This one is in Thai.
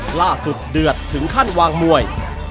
กล้าสุดเดือดถึงขั้นวางมวย